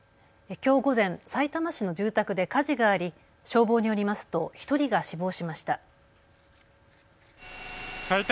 きょう午前、さいたま市の住宅で火事があり、消防によりますと１人が死亡しました。